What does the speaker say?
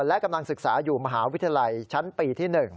และกำลังศึกษาอยู่มหาวิทยาลัยชั้นปีที่๑